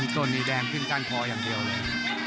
ต้นนี้แดงขึ้นก้านคออย่างเดียวเลย